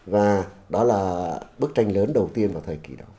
và đó là bức tranh lớn đầu tiên vào thời kỳ đó